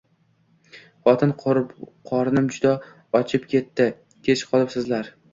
Xotin, qornim juda ochib ketdi, kech qolibsizlar.